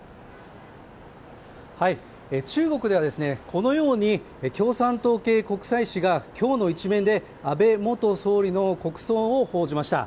中国では、このように共産党系国際紙が今日の一面で安倍元総理の国葬を報じました。